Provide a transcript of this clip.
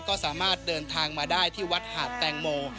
ก็สามารถเดินทางมาได้ที่วัดหาดแตงโม